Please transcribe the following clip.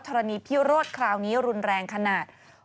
รณีพิโรธคราวนี้รุนแรงขนาด